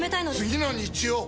次の日曜！